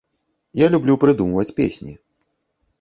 Я люблю прыдумваць песні.